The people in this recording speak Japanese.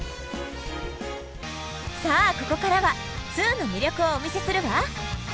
さあここからは「２」の魅力をお見せするわ！